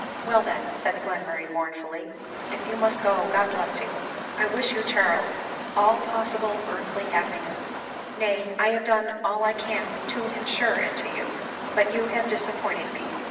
" Well, then," said Glenmurray mournfully, " if you must go, God bless you ! 1 wish you, Charles, all possi ble earthly happiness ; nay, I have done all I can to in 186 ADELINE MOWBRAY. sure it to you ; but you have disappointed me.